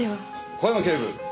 小山警部。